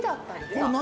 これ何？